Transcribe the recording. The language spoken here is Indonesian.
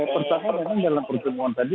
pertama memang dalam pertemuan tadi